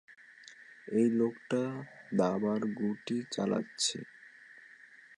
এই লোকটা দাবার গুটি চালাচ্ছে।